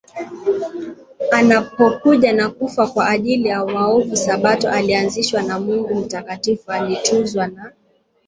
anakapokuja na kufa kwa ajili ya waovu Sabato ilianzishwa na Mungu Mtakatifu ilitunzwa na